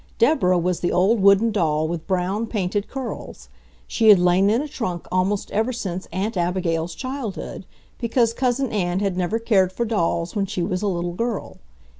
Deborah was the old wooden doll with brown, painted curls. She had lain in a trunk almost ever since Aunt Abigail's childhood, because Cousin Ann had never cared for dolls when she was a little girl.